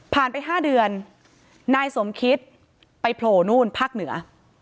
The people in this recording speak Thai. ไป๕เดือนนายสมคิตไปโผล่นู่นภาคเหนือ